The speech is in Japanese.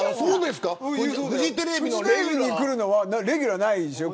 フジテレビに来るのはレギュラーないでしょ